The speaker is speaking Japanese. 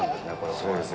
そうですよ。